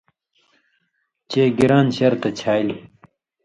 چے گِران شرطہ چھالیۡ،